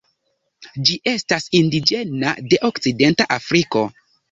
Ĝi estas indiĝena de Okcidenta Afriko.